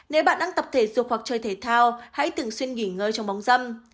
nếu bạn đang tập thể dục hoặc chơi thể thao hãy thường xuyên nghỉ ngơi trong bóng dâm